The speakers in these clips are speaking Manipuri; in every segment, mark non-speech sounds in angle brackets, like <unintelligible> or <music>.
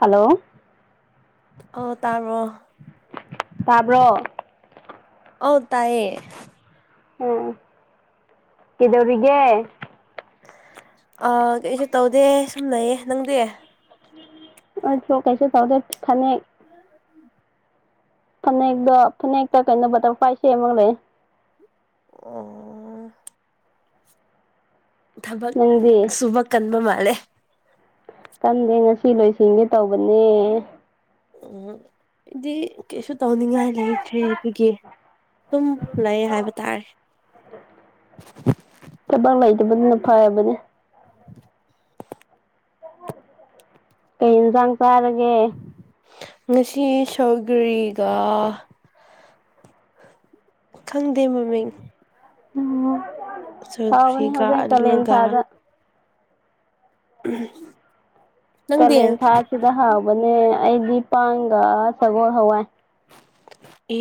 ꯍꯜꯂꯣ ꯑꯣ ꯇꯥꯕ꯭ꯔꯣ ꯇꯥꯕ꯭ꯔꯣ ꯑꯧ ꯇꯥꯏꯌꯦ ꯎꯝ ꯀꯩꯗꯧꯔꯤꯒꯦ ꯑ ꯀꯩꯁꯨ ꯇꯧꯗꯦ ꯁꯨꯝ ꯂꯩꯌꯦ ꯅꯪꯗꯤ ꯑꯩꯁꯨ ꯀꯩꯁꯨ ꯇꯧꯗꯦ ꯐꯅꯦꯛ ꯐꯅꯦꯛꯇ‌ꯣ ꯐꯅꯦꯛꯇ ꯀꯩꯅꯣ ꯕꯇ꯭ꯔꯐ꯭ꯂꯥꯏ ꯁꯦꯝꯃꯒ ꯂꯩ ꯑ‌ꯣ ꯊꯕꯛ ꯅꯪꯗꯤ ꯁꯨꯕ ꯀꯟꯕ ꯃꯥꯜꯂꯦ ꯀꯟꯗꯦ ꯉꯁꯤ ꯂꯣꯏꯁꯤꯟꯒꯦ ꯇꯧꯕꯅꯦ ꯎꯝ ꯑꯩꯗꯤ ꯀꯩꯁꯨ ꯇꯧꯅꯤꯡꯉꯥꯏ ꯂꯩꯇ꯭ꯔꯦ ꯑꯗꯨꯒꯤ ꯑꯗꯨꯨꯝ ꯂꯩ ꯍꯥꯏꯕ ꯇꯥꯔꯦ ꯊꯕꯛ ꯂꯩꯇꯕꯗꯨꯅ ꯐꯕꯅꯦ ꯀꯩ ꯏꯟꯖꯥꯡ ꯆꯥꯔꯒꯦ꯫ ꯉꯁꯤ ꯁꯧꯒ꯭ꯔꯤꯒ ꯈꯪꯗꯦ ꯃꯃꯤꯡ ꯎꯝ ꯍꯥꯎꯕꯅꯦ ꯁꯧꯒ꯭ꯔꯤꯒ ꯍꯧꯖꯦꯡ ꯀꯂꯦꯟ ꯑꯂꯨꯒ ꯊꯥꯗ ꯅꯪꯗꯤ ꯀꯂꯦꯟ ꯊꯥ ꯁꯤꯗ ꯍꯥꯎꯕꯅꯦ ꯑꯩꯗꯤ ꯄꯥꯡꯒ ꯁꯒꯣꯜ ꯍꯋꯥꯏ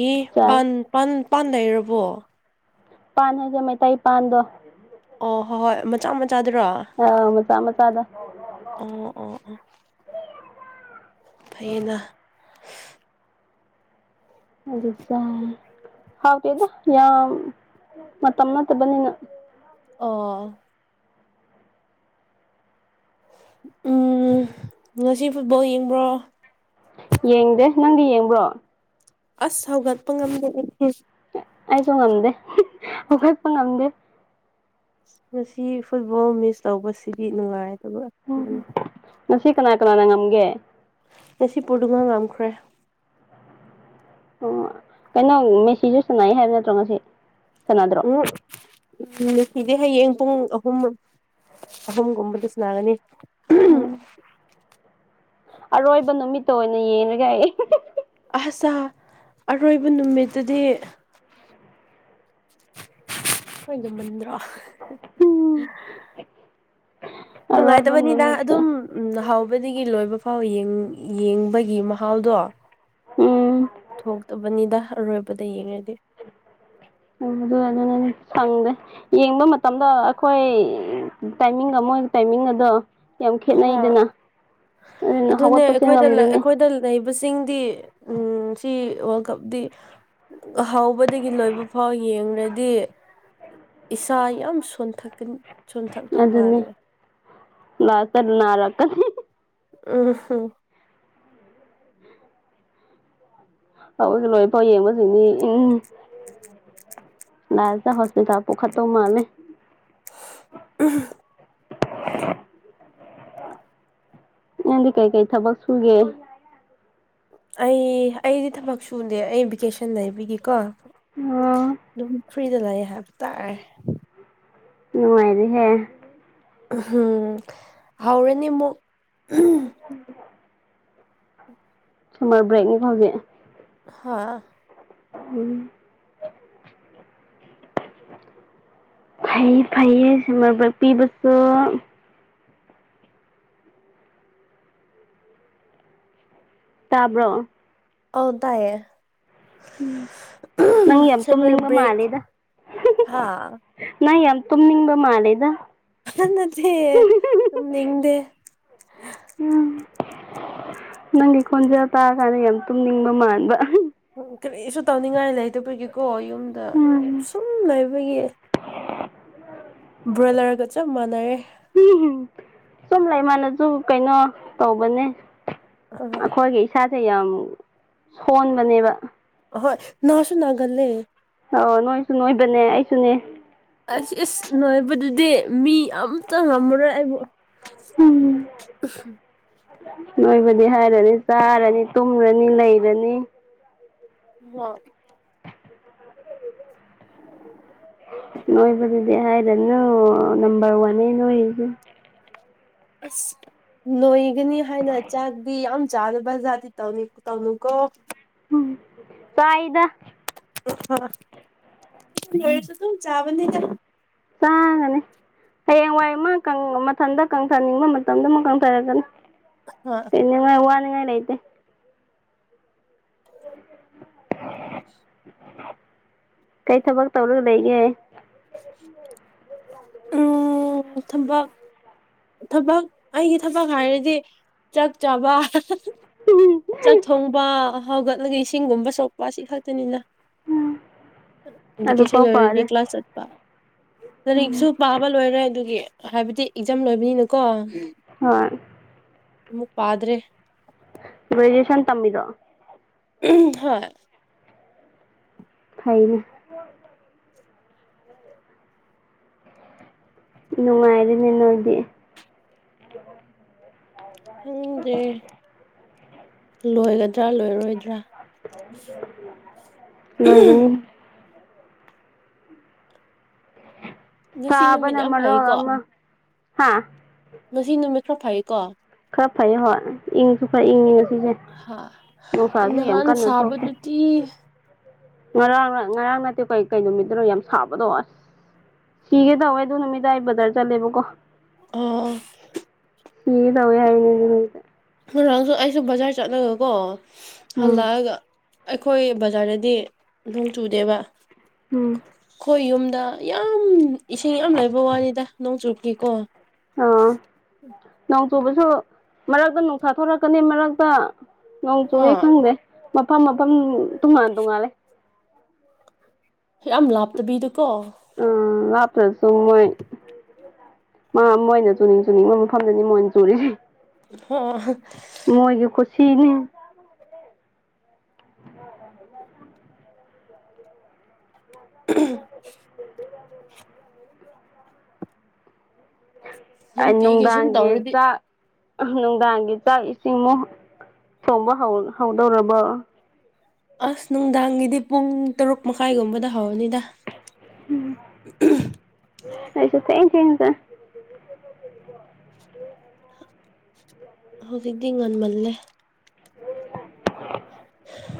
ꯏ ꯆꯥꯏ ꯄꯥꯟ ꯄꯥꯟ ꯄꯥꯟ ꯂꯩꯔꯕꯣ ꯄꯥꯟ ꯍꯥꯏꯁꯦ ꯃꯩꯇꯩ ꯄꯥꯟꯗꯣ ꯑꯣ ꯍꯣꯏ ꯍꯣꯏ ꯃꯆꯥ ꯃꯆꯥꯗꯨꯔꯣ ꯑꯥ ꯃꯆꯥ ꯃꯆꯥꯥꯗꯣ ꯑꯣ ꯑꯣ ꯑꯣ ꯐꯩꯌꯦꯅ ꯑꯗꯨ ꯁ ꯍꯥꯎꯇ‌ꯦꯗ ꯌꯥꯝ ꯃꯇꯝ ꯅꯠꯇꯕꯅꯤꯅ ꯑꯣ <inaudible> <unintelligible> ꯎꯝ ꯉꯁꯤ ꯐꯨꯠꯕꯣꯜ ꯌꯦꯡꯕ꯭ꯔꯣ꯫ ꯌꯦꯡꯗꯦ ꯅꯪꯗꯤ ꯌꯦꯡꯕ꯭ꯔꯣ ꯑꯁ ꯍꯧꯒꯠꯄ ꯉꯝꯗꯦ ꯑꯩꯗꯤ꯫ ꯑꯩꯁꯨ ꯉꯝꯗꯦ ꯍꯧꯈꯠꯄ ꯉꯝꯗꯦ ꯉꯁꯤ ꯐꯨꯠꯕꯣꯜ ꯃꯤꯁ ꯇꯧꯕꯁꯤꯗꯤ ꯅꯨꯡꯉꯥꯏꯗꯕ ꯑꯃꯅꯤ ꯎꯝ ꯉꯁꯤ ꯀꯅꯥ ꯀꯅꯥꯅ ꯉꯝꯒ‌ꯦ ꯉꯁꯤ ꯄꯨꯔꯗꯨꯉ ꯉꯝꯈ꯭ꯔꯦ ꯑꯣ ꯀꯩꯅꯣ ꯃꯦꯁꯤꯁꯨ ꯁꯥꯟꯅꯩ ꯍꯥꯏꯕ ꯅꯠꯇ꯭ꯔꯣ ꯉꯁꯤ ꯁꯥꯟꯅꯗ ꯎ ꯅꯨꯄꯤꯗꯤ ꯍꯌꯦꯡ ꯄꯨꯡ ꯑꯍꯨꯝ ꯑꯍꯨꯝꯒꯨꯝꯕꯗꯤ ꯁꯅꯥꯒꯅꯤ ꯎꯝ ꯑꯔꯣꯏꯕ ꯅꯨꯃꯤꯠꯇ ꯑꯣꯏꯅ ꯌꯦꯡꯉꯒ ꯑꯩ ꯑꯁꯥ ꯑꯔꯣꯏꯕ ꯅꯨꯃꯤꯠꯇꯨꯗꯤ ꯈ‌ꯣꯏꯗꯨꯃꯟꯗ꯭ꯔ‌ꯣ ꯎꯝ ꯑꯔꯣꯏꯕ ꯅꯨꯡꯉꯥꯏꯇꯕꯅꯤꯅ ꯅꯨꯃꯤꯠꯇ ꯑꯗꯨꯝ ꯎ ꯍꯥꯎꯕꯗꯒꯤ ꯂꯣꯏꯕ ꯐꯥꯎ ꯌꯦꯡꯕꯒꯤ ꯃꯍꯥꯎꯗꯣ ꯎꯝ ꯊꯣꯛꯇꯕꯅꯤꯗ ꯑꯔꯣꯏꯕꯗ ꯌꯦꯡꯉꯒꯦ ꯎꯝ ꯑꯗꯨꯗꯨꯅꯅ‌ꯦ ꯁꯪꯗꯦ ꯌꯦꯡꯕ ꯃꯇꯝꯗ ꯑꯩꯈꯣꯏ ꯇꯥꯏꯃꯤꯡ ꯑꯃ ꯇꯥꯏꯃꯤꯡ ꯑꯗꯣ ꯌꯥꯝ ꯍꯥ ꯈꯦꯠꯅꯩꯗꯅ ꯑꯗꯨꯅ ꯑꯗꯨꯅꯦ ꯍꯧꯒꯠꯄꯁꯦ ꯑꯩꯈꯣꯏꯗ ꯉꯝꯗ‌ꯦꯅꯦ ꯑꯩꯈꯣꯏꯗ ꯂꯩꯕꯁꯤꯡꯗꯤ ꯎꯝ ꯁꯤ ꯋꯥꯔꯜ ꯀꯞꯗꯤ ꯍꯧꯕꯗꯒꯤ ꯂꯣꯏꯕ ꯐꯥꯎ ꯌꯦꯡꯂꯡꯨꯔꯗꯤ ꯏꯁꯥ ꯌꯥꯝ ꯁꯣꯟꯊꯛꯀꯅꯤ ꯁꯣꯟꯊꯛꯇꯧ ꯑꯗꯨꯅꯤ ꯃꯥꯜꯂꯦ ꯂꯥꯁꯇ ꯅꯥꯔꯛꯀꯅꯤ꯫ ꯎꯝꯍꯝ ꯍꯧꯕꯗꯩ ꯂꯣꯏꯐꯥꯎ ꯌꯦꯡꯕꯁꯤꯅꯤ ꯎꯝ ꯂꯥ꯭ꯁꯇ ꯍꯣꯁꯄꯤꯇꯥꯜ ꯄꯨꯈꯠꯇꯧ ꯃꯥꯜꯂ‌ꯦ ꯎꯝ ꯅꯗꯤ ꯀꯩꯀꯩ ꯊꯕꯛ ꯁꯨꯒꯦ ꯑꯩ ꯑꯩꯗꯤ ꯊꯕꯛ ꯁꯨꯗꯦ ꯑꯩ ꯚꯦꯀꯦꯁꯟ ꯂꯩꯕꯒꯤꯀꯣ ꯑ‌ꯣ ꯑꯗꯨꯝ ꯐ꯭ꯔꯤꯗ ꯂꯩꯌꯦ ꯍꯥꯏꯕ ꯇꯥꯔꯦ꯫ ꯅꯨꯡꯉꯥꯏꯔꯤꯦꯍꯦ ꯎꯝꯍꯝ ꯍꯥꯎꯔꯅꯤ ꯑꯃꯨꯛ꯫ ꯎꯝ ꯁꯨꯃꯔ ꯕ꯭ꯔꯦꯛꯅꯤ ꯍꯧꯖꯤꯛ ꯍꯥꯥ ꯎꯝ ꯐꯩ ꯐꯩꯌꯦ ꯁꯃꯔꯄꯤꯤꯕꯁꯨ ꯇꯥꯕ꯭ꯔꯣ ꯑꯧ ꯇꯥꯌꯦ꯫ ꯅꯪ ꯌꯥꯝ ꯁꯃꯔ ꯇꯨꯝꯅꯤꯡꯕ ꯕ꯭ꯔꯦꯛ ꯃꯥꯜꯂꯦꯗ ꯍꯥꯥ ꯅꯪ ꯌꯥꯝ ꯇꯨꯝꯅꯤꯡꯕ ꯃꯥꯂꯦꯗ ꯍꯥ ꯅꯠꯇꯦ ꯇꯨꯝꯅꯤꯡꯗꯦ꯫ ꯎꯝ ꯅꯪꯒꯤ ꯈꯣꯟꯖꯦꯜ ꯇꯥ ꯀꯥꯟꯗ ꯌꯥꯝ ꯇꯨꯝꯅꯤꯡꯕ ꯃꯥꯟꯕ ꯀꯔꯤꯁꯨ ꯇꯧꯅꯤꯡꯉꯥꯏ ꯂꯩꯇꯕꯒꯤꯀꯣ ꯌꯨꯝꯗ ꯎꯝ ꯁꯨꯝ ꯂꯩꯕꯒꯤ ꯕ꯭ꯔꯣꯏꯂꯔꯒ ꯆꯞ ꯃꯥꯟꯅꯔꯦ ꯎꯝ ꯁꯨꯝ ꯂꯩꯃꯅꯁꯨ ꯀꯩꯅꯣ ꯇꯧꯕꯅꯦ ꯑ ꯑꯩꯈꯣꯏꯒꯤ ꯏꯁꯥꯁꯦ ꯌꯥꯝ ꯁꯣꯟꯕꯅꯦꯕ ꯍꯣꯏ ꯅ ꯁꯁꯨ ꯅꯅꯥꯒꯜꯂꯦ ꯑꯣ ꯅꯣꯏꯁꯨ ꯅꯣꯏꯕꯅꯦ ꯑꯩꯁꯨꯅꯦ ꯑ ꯏꯁꯁ ꯅꯉꯥꯏꯕꯗꯨꯗꯤ ꯃꯤ ꯑꯇ ꯉꯝꯃꯔꯣꯏ ꯑꯩꯕꯨ <inaudible> ꯅꯣꯏꯕꯅꯤ ꯍꯥꯏꯔꯗꯤ ꯆꯥꯔꯅꯤ ꯇꯨꯝꯃꯨꯔꯅꯤ ꯅꯩꯔꯅꯤ <unintelligible> ꯅꯣꯏꯕꯗꯨꯗꯤ ꯍꯥꯏꯔꯅꯨ ꯅꯝꯕꯔ ꯋꯥꯟꯅꯦ ꯅꯣꯏꯔꯤꯖꯦ꯫ ꯑꯁ ꯅꯣꯏꯒꯅꯤ ꯍꯥꯏꯅ ꯆꯥꯛꯗꯤ ꯌꯥꯝ ꯆꯥꯗꯕ ꯖꯥꯠꯇꯤ ꯇꯩꯅꯤ ꯇꯧꯅꯨꯀꯣ꯫ ꯎꯝ ꯆꯥꯏꯗ ꯃꯁꯨ ꯇ ꯆꯕꯗ ꯆꯥꯒꯅꯦ ꯍꯌꯦꯡꯋꯥꯏ ꯑꯃ ꯃꯊꯟꯇ ꯀꯪꯊꯅꯤꯡꯕ ꯃꯇꯝꯗ ꯑꯃꯛ ꯀꯪꯊꯔꯛꯒꯅꯤ ꯍ‌ꯣꯏ ꯅꯤꯡꯉꯥꯏ ꯋꯥꯅꯤꯡꯉꯥꯏ ꯂꯩꯇꯦ꯫ ꯀꯩ ꯊꯕꯛ ꯇꯧꯔ ꯂꯩꯒꯦ ꯎ ꯊꯕꯛ ꯊꯕꯛ ꯑꯩꯒꯤ ꯊꯕꯛ ꯍꯥꯏꯔꯗꯤ ꯆꯥꯛ ꯆꯥꯕ ꯆꯥꯛ ꯊꯣꯡꯕ ꯍꯧꯒꯠꯂꯒ ꯏꯁꯤꯡꯒꯨꯝꯕꯁꯨ ꯋꯥꯁꯤ ꯈꯥꯛꯛꯇꯅꯤꯅ ꯚꯦꯀꯦꯁꯟ ꯑꯗꯨꯐꯥꯎ ꯂꯣꯢꯔꯗꯤ ꯐꯔꯦ ꯀ꯭ꯂꯥꯁ ꯆꯠ ꯎꯝ ꯂꯩꯔꯤꯛꯁꯨ ꯄꯥꯕ ꯂꯣꯏꯔꯦ ꯑꯗꯨꯒꯤ ꯍꯥꯏꯕꯗꯤ ꯑꯦꯛꯖꯥꯝ ꯂꯣꯏꯕꯅꯤꯅꯀꯣ ꯎꯝ ꯍꯣꯏ ꯑꯃꯨꯛ ꯄꯥꯗ꯭ꯔꯦ ꯒ꯭ꯔꯦꯖꯨꯑꯌꯦꯁꯟ ꯇꯝꯃꯤꯗꯣ ꯎꯝ ꯍꯣꯏ ꯐꯩꯅ ꯅꯨꯡꯉꯥꯏꯔꯤꯅꯦ ꯅꯣꯏꯗꯤ <unintelligible> ꯈꯪꯗꯦ ꯂꯣꯏꯒꯗ꯭ꯔꯥ ꯂꯣꯏꯔꯣꯏꯗ꯭ꯔꯥ꯫ ꯅꯣꯏꯒꯅꯤ ꯉꯁꯤ ꯅꯨꯃꯤꯠ ꯐꯕꯅ ꯌꯥꯝ ꯃꯔꯣꯜ ꯐꯩꯀꯣ ꯑꯃ ꯍꯥ ꯉꯁꯤ ꯅꯨꯃꯤꯠ ꯈꯔ ꯐꯌꯦꯀꯣ ꯈꯔ ꯐꯩꯌꯦ ꯍꯣꯏ ꯏꯪꯁꯨ ꯈꯔ ꯏꯪꯉꯤ ꯉꯁꯤꯁꯦ꯫ ꯅꯨꯡꯁꯥꯁꯨ ꯌꯥꯝ ꯅꯍꯥꯟ ꯀꯟꯅ ꯊꯣꯛꯇꯦ꯫ ꯁꯥꯕꯗꯨꯗꯤ ꯉꯔꯥꯡ ꯉꯔꯥꯡ ꯅꯠꯇꯦ ꯀꯩ ꯀꯩ ꯅꯨꯃꯤꯠꯇꯅꯣ ꯌꯥꯝ ꯁꯥꯕꯗꯣ ꯑꯁ ꯁꯤꯒꯦ ꯇꯧꯋꯦ ꯑꯗꯨ ꯅꯨꯃꯤꯗꯥ ꯑꯩ ꯕꯖꯥꯔ ꯆꯠꯂꯦꯕꯀꯣ ꯑꯣ ꯁꯤꯒ‌ꯦ ꯇꯧꯋ‌ꯦ ꯍꯥꯏꯕꯅꯤꯗ ꯅ‌ꯣꯏꯁ‌ꯦ ꯉꯥꯡꯁꯨ ꯑꯩꯁꯨ ꯕꯖꯥꯔ ꯆꯠꯂꯒꯀꯣ ꯎꯝ ꯍꯜꯂꯛꯑꯒ ꯑꯩꯈꯣꯏ ꯕꯖꯥꯔꯗꯗꯤ ꯅꯣꯡ ꯆꯨꯗꯦꯕ ꯎꯝ ꯑꯩꯈꯣꯏ ꯌꯨꯝꯗ ꯌꯥꯝ ꯏꯁꯤꯡ ꯌꯥꯝ ꯂꯩꯕ ꯋꯥꯅꯤꯗ ꯅꯣꯡ ꯆꯨꯕꯒꯤꯀꯣ꯫ ꯑꯥ ꯅꯣꯡ ꯆꯨꯕꯁꯨ ꯃꯔꯛꯇ ꯅꯨꯡꯁꯥꯊꯣꯔꯛꯀꯅꯤ ꯃꯔꯛꯇ ꯅꯣꯡ ꯆꯨꯑꯦ ꯍꯣꯏ ꯈꯪꯗꯦ ꯃꯐꯝ ꯃꯐꯝ ꯇꯣꯉꯥꯟ ꯇꯣꯉꯥꯜꯂꯦ꯫ ꯌꯥꯝ ꯂꯥꯞꯇꯕꯤꯗꯨꯀꯣ ꯎꯝ ꯂꯥꯞꯇ꯭ꯔꯁꯨ ꯃ‌ꯣꯏ ꯃꯥ ꯃꯣꯏꯅ ꯆꯨꯅꯤꯡ ꯆꯨꯅꯤꯡꯕ ꯃꯐꯝꯗꯅꯤ ꯃꯣꯏꯅ ꯆꯨꯔꯤꯁꯦ꯫ ꯍ‌ꯣ ꯃꯣꯏꯒꯤ ꯀꯨꯠꯁꯤꯅꯦ <inaudible> <unintelligible> ꯑꯥ ꯅꯨꯡꯇꯤꯒꯤ ꯁꯨꯝ ꯅꯨꯡꯗꯥꯡꯒꯤ ꯇꯧꯔꯗꯤ ꯆꯥꯛ ꯑꯥ ꯅꯨꯡꯗꯥꯡꯒꯤ ꯆꯥꯛ ꯏꯁꯤꯡꯃꯨꯛ ꯊꯣꯡꯕ ꯍꯧ ꯍꯧꯗꯧꯔꯕꯣ꯫ ꯑꯁ ꯅꯨꯡꯗꯥꯡꯒꯤꯗꯤ ꯄꯨꯡ ꯇꯔꯨꯛ ꯃꯈꯥꯏꯒꯨꯝꯕꯗ ꯍꯧꯔꯅꯤꯗ ꯎꯝ ꯑꯩꯁꯨ ꯊ‌ꯦꯡ ꯊ‌ꯦꯡꯅ ꯆꯪ ꯍꯧꯖꯤꯛꯇꯤ ꯉꯟꯃꯜꯂꯦ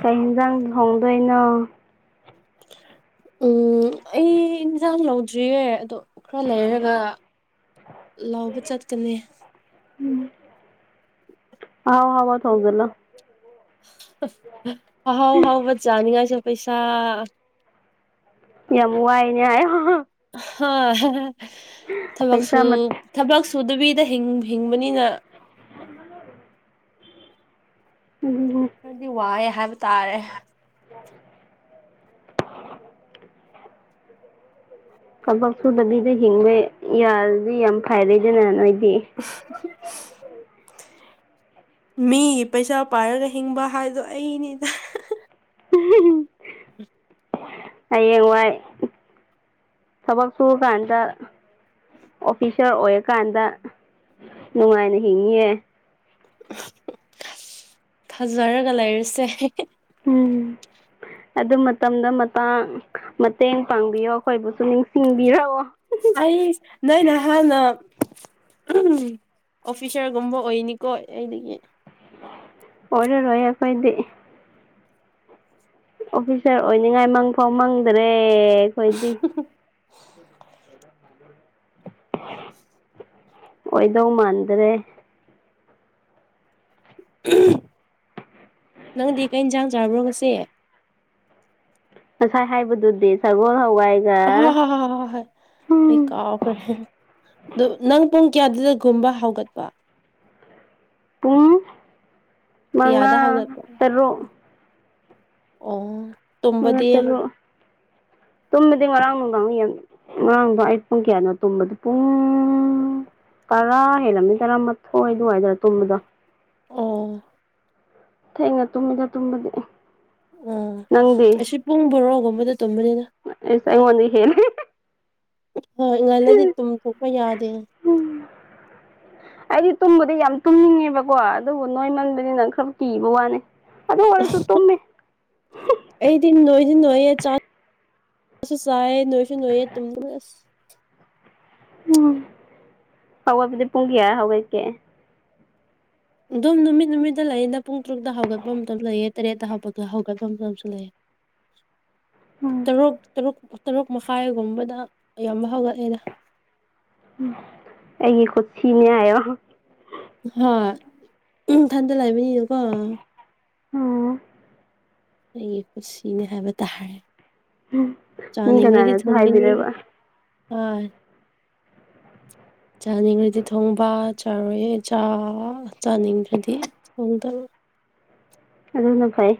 ꯀꯩ ꯌꯦꯟꯁꯥꯡ ꯊ‌ꯣꯡꯗꯣꯏꯅꯣ ꯎꯝ ꯑꯩ ꯏꯟꯖꯥꯡ ꯂꯧꯗ꯭ꯔꯤꯌꯦ ꯑꯗꯣ ꯈ꯭ꯔ ꯂꯩꯔꯒ ꯂꯧꯕ ꯆꯠꯀꯅꯤ꯫ ꯎꯝ ꯑꯥꯎ ꯍꯕ ꯊꯧꯒꯅ ꯑꯍꯥꯎ ꯍꯥꯎꯕꯠ ꯌꯥꯥꯅꯤꯡꯉꯥꯏꯁꯦ ꯄꯩꯁꯥ ꯌꯥꯝ ꯋꯥꯏꯅꯦ ꯍꯥꯏ ꯍꯥ ꯊꯃꯛꯁꯨ ꯄꯩꯁꯥ ꯊꯕꯛ ꯁꯨꯗꯕꯤꯗ ꯍꯤꯡꯕꯅꯤꯅ ꯎꯝ ꯈꯗꯤ ꯋꯥꯏꯑꯦ ꯍꯥꯏꯕ ꯇꯥꯔꯦ <unintelligible> ꯊꯕꯛ ꯁꯨꯗꯕꯤꯗ ꯍꯤꯡꯕ ꯌꯥꯔꯗꯤ ꯌꯥꯝ ꯐꯥꯏꯔꯩꯗꯅ ꯅꯣꯏꯗꯤ ꯎꯝ ꯍꯨꯡ ꯍꯨꯡ ꯃꯤꯒꯤ ꯄꯩꯁꯥ ꯄꯥꯏꯔꯒ ꯍꯤꯡꯕ ꯍꯥꯏꯕꯗꯣ ꯑꯩꯅꯤꯗ ꯍꯌꯦꯡꯋꯥꯏ ꯊꯕꯛ ꯁꯨꯔꯀꯥꯟꯗ ꯑꯣꯐꯤꯁꯥꯔ ꯑꯣꯏꯔꯀꯥꯟꯗ ꯅꯨꯡꯉꯥꯏꯅ ꯍꯤꯡꯉꯌꯦ ꯊꯥꯖꯔꯒ ꯂꯩꯔꯁꯦ ꯎꯝ ꯑꯗꯨ ꯃꯇꯝꯗ ꯃꯇꯥꯡ ꯃꯇꯦꯡ ꯄꯥꯡꯕꯤꯌꯣ ꯑꯩꯈꯣꯏꯕꯨꯁꯨ ꯅꯤꯡꯁꯤꯡꯕꯤꯔꯛꯑꯣ꯫ ꯑꯩ ꯅꯣꯏꯅ ꯍꯥꯟꯅ ꯑꯝ ꯑꯣꯐꯤꯁꯥꯔꯒꯨꯝꯕ ꯑꯣꯏꯅꯤꯀꯣ ꯑꯩꯗꯒꯤ ꯑꯣꯏꯔ ꯔꯣꯏꯌꯦ ꯈꯣꯏꯗꯤ ꯑꯣꯐꯤꯁꯥꯔ ꯑꯣꯏꯅꯤꯡꯉꯥꯏ ꯃꯪꯐꯥꯎ ꯃꯪꯗ꯭ꯔꯦ ꯑꯩꯈꯣꯏꯗꯤ <inaudible> ꯑꯣꯏꯗꯧ ꯃꯥꯟꯗꯔꯦ꯫ ꯎꯝ ꯅꯪꯗꯤ ꯀꯩ ꯏꯟꯖꯥꯡ ꯆꯥꯕ꯭ꯔꯣ ꯉꯁꯤ꯫ ꯉꯁꯥꯏ ꯍꯥꯏꯕꯗꯨꯗꯤ ꯁꯒꯣꯜ ꯍꯋꯥꯏ ꯍꯥ ꯍꯥ ꯍꯥ ꯑꯦ ꯍꯣꯏ ꯑꯗꯣ ꯅꯪ ꯄꯨꯡ ꯀꯌꯥꯗꯨꯗꯒꯨꯝꯕ ꯍꯧꯒꯠꯄ ꯄꯨꯡ ꯀꯥ ꯌꯥꯗ ꯃꯉꯥ ꯍꯧꯒ ꯇꯔꯨꯛ ꯑꯣ <unintelligible> <inaudible> ꯇꯔꯨꯛ ꯇꯨꯝꯃꯗꯤ ꯉꯔꯥꯡ ꯅꯨꯡꯗꯥꯡ ꯌꯥꯝ ꯉꯔꯥꯡꯗ‌ꯣ ꯑꯩ ꯄꯨꯡ ꯀꯌꯥꯅꯣ ꯇꯨꯝꯕꯗꯨ ꯄꯨꯡ ꯇꯔꯥ ꯍꯦꯜꯂꯝꯃꯤ ꯇꯔꯥꯃꯥꯊꯣꯏ ꯑꯗꯨꯋꯥꯏꯗꯔ ꯇꯨꯝꯕꯗꯣ ꯑꯣ ꯊꯦꯡꯅ ꯇꯨꯝꯃꯤꯗ ꯇꯨꯝꯕꯗꯤ ꯑꯩ ꯑꯣ ꯅꯪꯗꯤ꯫ ꯑꯩꯁꯨ ꯄꯨꯡ ꯕꯣꯔꯣꯒꯨꯝꯕꯗ ꯇꯨꯝꯕꯅꯤꯅ ꯑꯩꯉꯣꯟꯗꯩ ꯍꯦꯜꯂꯤ꯫ ꯍꯣꯏ ꯉꯥꯟꯂꯗꯤ ꯇꯨꯝ ꯊꯣꯛꯣꯛꯄ ꯌꯥꯗꯦ ꯑꯩꯗꯤ ꯇꯨꯝꯕꯗꯤ ꯌꯥꯝ ꯇꯨꯝꯅꯤꯡꯉꯦꯕꯀꯣ ꯑꯗꯨꯕꯨ ꯅꯣꯏꯃꯟꯕꯅꯤ ꯅꯪ ꯈꯔ ꯀꯤꯕ ꯋꯥꯅꯤ ꯑꯗꯨ ꯑꯣꯏꯔꯁꯨ ꯇꯨꯝꯃꯤ ꯍꯝ ꯑꯩꯗꯤ ꯅꯣꯏꯗꯤ ꯅꯣꯏꯌꯦꯦ ꯆꯥ ꯆꯥꯁꯨ ꯆꯥꯏ ꯅꯣꯏꯁꯨ ꯅꯣꯏꯌꯦꯦ ꯇꯨꯝꯗ ꯑꯁ ꯎꯝ ꯐꯋꯥꯕꯨꯗꯤ ꯄꯨꯡ ꯀꯌꯥ ꯍꯧꯒꯠꯀꯦ ꯑꯗꯨꯝ ꯅꯨꯃꯤꯠ ꯅꯨꯃꯤꯠꯇ ꯂꯩꯌꯦꯗ ꯄꯨꯡ ꯇ꯭ꯔꯨꯛꯇ ꯍꯧꯒꯠꯄ ꯃꯇꯝ ꯂꯩꯑꯦ ꯇꯔꯦꯠꯇ ꯍꯧꯄꯠꯄ ꯍꯧꯒꯠꯄ ꯃꯇꯝꯁꯨ ꯂꯩꯑꯦ꯫ ꯍꯨꯍꯨꯚ ꯇꯔꯨꯛ ꯇꯔꯨꯛ ꯇꯔꯨꯛ ꯃꯈꯥꯏꯒꯨꯝꯕꯗ ꯑꯌꯥꯝꯕ ꯍꯧꯒꯠꯑꯦꯗ ꯎꯝ ꯑꯩꯒꯤ ꯀꯨꯠꯁꯤꯅꯦ ꯍꯥꯏꯌꯣ꯫ ꯍꯣꯏ ꯏꯊꯟꯗ ꯂꯩꯕꯅꯤꯅꯀꯣ꯫ ꯑꯣ ꯑꯩꯒꯤ ꯄꯨꯟꯁꯤꯅꯦ ꯍꯥꯏꯕ ꯇꯥꯔꯦ ꯃꯤ ꯆꯥꯅꯤꯡꯔꯗꯤ ꯀꯅꯥꯅꯁꯨ ꯊꯣꯡꯒꯅꯤ ꯍꯥꯏꯕꯤꯔꯣꯏꯕ ꯑ ꯆꯥꯅꯤꯡꯈ꯭ꯔꯗꯤ ꯊꯣꯡꯕ ꯆꯥꯔꯣꯏꯌꯦ ꯆꯥ ꯆꯥꯅꯤꯡꯗ꯭ꯔꯗꯤ ꯊꯣꯡꯗꯕ ꯑꯗꯨꯅ ꯐꯩ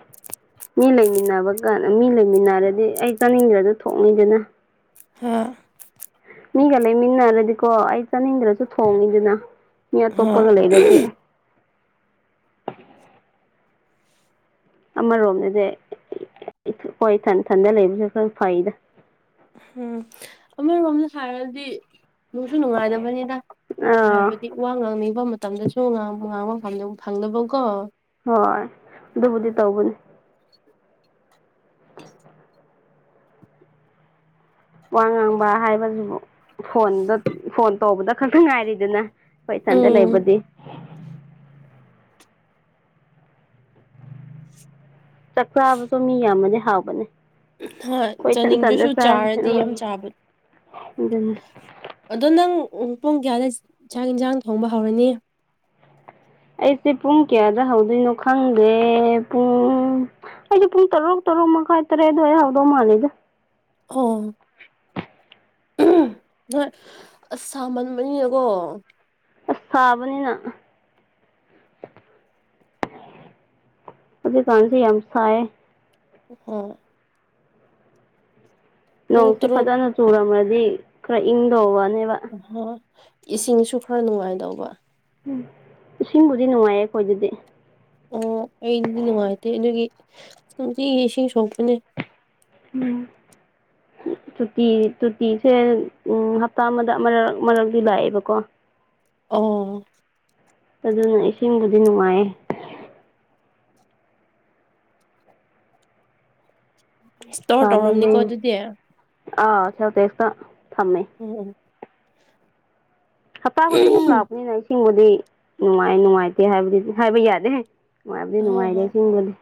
ꯃꯤ ꯂꯩꯃꯤꯟꯅꯕꯀꯥꯟ ꯃꯤ ꯂꯩꯃꯤꯟꯅꯔꯗꯤ ꯑꯩ ꯆꯥꯅꯤꯡꯗ꯭ꯔꯁꯨ ꯊꯣꯡꯉꯤꯗꯅ꯫ ꯍꯥ ꯃꯤꯒ ꯂꯩꯃꯤꯟꯅꯔꯗꯤꯀꯣ ꯑꯩ ꯆꯥꯅꯤꯡꯗ꯭ꯔꯁꯨ ꯊꯣꯡꯉꯤꯗꯅ ꯃꯤ ꯍꯣꯏ ꯑꯇꯣꯞꯄꯒ ꯂꯩꯔꯗꯤ ꯑꯃꯔꯣꯝꯗꯗꯤ ꯍꯣꯏ ꯊꯟꯊꯟꯗ ꯂꯩꯕꯁꯨ ꯈꯔ ꯐꯩꯗ ꯎꯝ ꯑꯃꯔꯣꯝꯗ ꯁꯥꯔꯗꯤ ꯅꯅꯨꯡꯁꯨ ꯅꯨꯡꯉꯥꯏꯗꯕꯅꯤꯅ ꯑꯥ ꯍꯥꯏꯕꯗꯤ ꯋꯥ ꯉꯥꯡꯅꯤꯡꯕ ꯃꯇꯝꯗꯁꯨꯥꯡ ꯉꯥꯡꯕ ꯄꯥꯝꯗꯧ ꯐꯪꯗꯕꯀꯣ ꯍꯣꯏ ꯑꯗꯨꯕꯨꯗꯤ ꯇꯧꯕꯅꯤ ꯋꯥ ꯉꯥꯡꯕ ꯍꯥꯏꯕꯕꯁꯤꯕꯨ ꯐꯣꯟꯗ ꯐꯣꯟ ꯇꯧꯕꯗ ꯈꯛꯇꯪ ꯉꯥꯏꯔꯤꯗꯅ ꯑꯩꯈꯣꯏ ꯏꯊꯟꯗ ꯎꯝ ꯂꯩꯕꯗꯤ꯫ ꯆꯥꯛ ꯆꯥꯕꯁꯨ ꯃꯤ ꯌꯥꯝꯃꯗꯤ ꯍꯥꯎꯕꯅꯦ꯫ ꯍꯣꯏ ꯑꯩꯈꯣꯏ ꯏꯊꯟ ꯏꯊꯟꯗ ꯆꯥꯅꯤꯡꯗ꯭ꯔꯁꯨ ꯆꯥꯔꯗꯤ ꯎꯝ ꯌꯥꯝ ꯆꯥꯕꯠ ꯑꯗꯨꯅꯤ ꯑꯗꯣ ꯅꯪ ꯄꯨꯡ ꯀꯌꯥꯗ ꯆꯥꯛ ꯌꯦꯟꯁꯥꯡ ꯊꯣꯡꯕ ꯍꯧꯔꯅꯤ ꯑꯩꯁꯦ ꯄꯨꯡ ꯀꯌꯥꯗ ꯍꯧꯗꯣꯏꯅꯣ ꯈꯪꯗꯦ ꯄꯨꯡ ꯑꯩꯁꯦ ꯄꯨꯡ ꯇꯔꯨꯛ ꯇꯔꯨꯛ ꯃꯈꯥꯏ ꯇꯔꯦꯠ ꯑꯗꯨꯋꯥ ꯑꯩ ꯍꯧꯔꯗꯧ ꯃꯥꯜꯂꯤꯗꯦ ꯑꯣ ꯎꯝ ꯍꯣꯏ ꯑꯁ ꯁꯥꯃꯟꯕꯅꯤꯅꯦꯀꯣ꯫ ꯑꯁ ꯁꯥꯕꯅꯤꯅ ꯑꯗꯨꯗꯤ ꯇꯁꯤ ꯌꯥꯝꯁꯑ ꯑꯣ ꯍꯣ ꯄꯨꯡ ꯅꯣꯡꯁꯤ ꯇꯔꯨꯛ ꯐꯖꯅ ꯆꯨꯔꯝꯃ꯭ꯔꯗꯤ ꯈꯔ ꯏꯪꯗꯧꯕꯅꯦꯕ ꯑ ꯏꯁꯤꯡꯁꯨ ꯈꯔ ꯅꯨꯡꯉꯥꯏꯗꯧꯕ ꯎꯝ ꯏꯁꯤꯡꯕꯨꯗꯤ ꯅꯨꯡꯉꯥꯏꯌꯦ ꯑꯩꯈꯣꯏ ꯑꯗꯨꯗꯤ ꯑꯣ ꯑꯩꯗꯤ ꯅꯨꯡꯉꯥꯏꯇꯦ ꯑꯗꯨꯒꯤ ꯅꯨꯡꯇꯤꯒꯤ ꯏꯁꯤꯡ ꯁꯣꯛꯄꯅꯦ꯫ ꯎꯝ ꯇꯨꯇꯤ ꯇꯨꯔꯇꯤꯁꯦ ꯍꯞꯇꯥ ꯑꯃꯗ ꯃꯔꯛ ꯃꯔꯛꯇꯤ ꯂꯥꯛꯑꯦꯕꯀꯣ ꯑꯣ ꯅ ꯏꯁꯤꯡꯗꯗꯤ ꯅꯨꯡꯉꯥꯏꯌꯦ ꯏꯁꯇꯣꯔ ꯇꯧꯔꯝꯅꯤꯀꯣ ꯁꯥꯃꯟꯕꯩꯅꯦ ꯑꯗꯨꯗꯤ ꯑꯥ ꯁꯣꯔꯇꯦꯁꯇ ꯊꯝꯃꯦ ꯎꯝꯍꯝ ꯍꯞꯇꯥ ꯈꯨꯗꯤꯡ ꯍꯣꯏ ꯑꯗꯨꯝ ꯂꯥꯛꯄꯅꯤꯅ ꯏꯁꯤꯡꯕꯨꯗꯤ ꯅꯨꯡꯉꯥꯏ ꯅꯨꯡꯉꯥꯏꯇꯦ ꯍꯥꯏꯕꯗꯤ ꯍꯥꯏꯕ ꯌꯥꯗꯦ ꯅꯨꯡꯉꯥꯏꯕꯗꯤ ꯍꯣꯏ ꯅꯨꯡꯉꯥꯏꯔꯦ ꯆꯤꯡꯗꯗꯤ꯫